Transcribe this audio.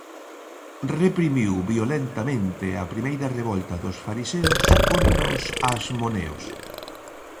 Reprimiu violentamente a primeira revolta dos fariseos contra os asmoneos.